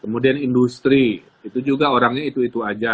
kemudian industri itu juga orangnya itu itu aja